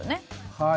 はい。